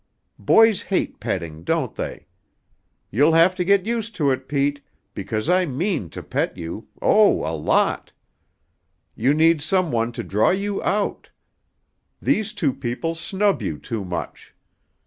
Boys hate petting, don't they? You'll have to get used to it, Pete, because I mean to pet you oh, a lot! You need some one to draw you out. These two people snub you too much.